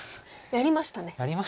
やりました。